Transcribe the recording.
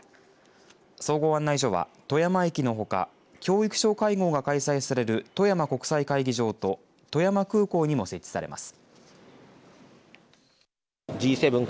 総合案内所は富山駅のほか教育相会合が開催される富山国際会議場と富山空港にも設置されます。